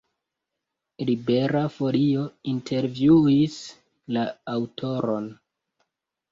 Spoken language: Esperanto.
Libera Folio intervjuis la aŭtoron.